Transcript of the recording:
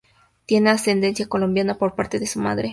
Tiene ascendencia colombiana por parte de su madre.